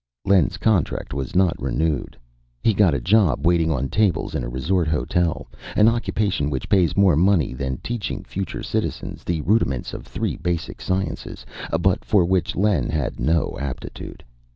Len's contract was not renewed. He got a job waiting on tables in a resort hotel, an occupation which pays more money than teaching future citizens the rudiments of three basic sciences, but for which Len had no aptitude.